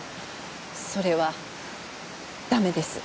それは駄目です。